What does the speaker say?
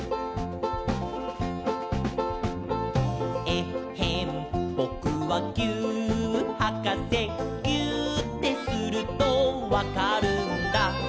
「えっへんぼくはぎゅーっはかせ」「ぎゅーってするとわかるんだ」